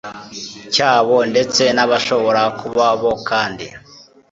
cyabo ndetse n abashobora kuba bo kandi